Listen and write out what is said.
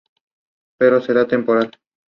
Pero será temporal.